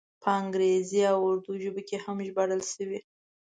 په انګریزي او اردو ژبو هم ژباړل شوی.